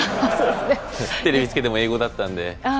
テレビつけても英語だったので。